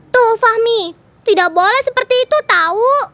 tuh fahmi tidak boleh seperti itu tahu